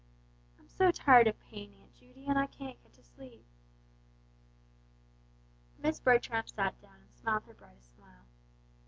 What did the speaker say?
"I'm so tired of pain, Aunt Judy, and I can't get to sleep." Miss Bertram sat down and smiled her brightest smile.